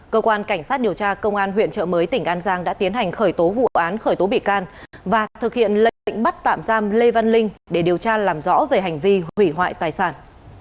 cơ quan cảnh sát điều tra công an huyện trợ mới tỉnh an giang đã tiến hành khởi tố vụ án khởi tố bị can và thực hiện lệnh bắt tạm giam lê văn linh để điều tra làm rõ về hành vi hủy hoại tài sản